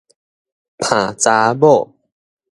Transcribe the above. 奅查某